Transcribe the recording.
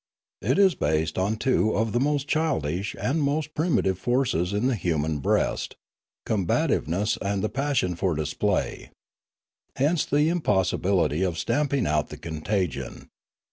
It is based on two of the most childish and most primitive of forces in the human breast, combativeness and the passion for display. Hence the impossibility of stamping out the contagion.